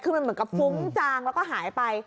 คือมันเหมือนกับฟุ้งจางแล้วก็หายไป